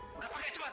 sudah pakai cepat